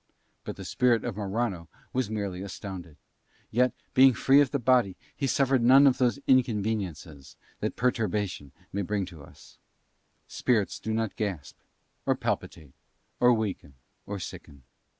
But the spirit of Morano was merely astounded; yet, being free of the body he suffered none of those inconveniences that perturbation may bring to us: spirits do not gasp, or palpitate, or weaken, or sicken.